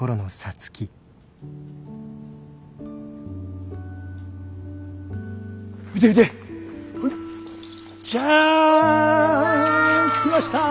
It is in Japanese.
つきました。